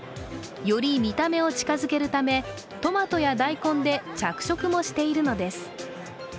より見た目を近づけるため、トマトや大根で着色もしているのです。